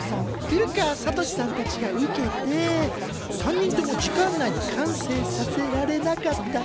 古川聡さんたちが受けて３人とも時間内に完成させられなかった。